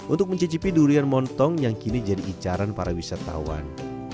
untuk mencicipi durian montong yang kini jadi icaran para wisatawan